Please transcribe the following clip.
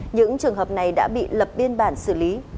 những trường hợp này đã bị lập biên bản xử lý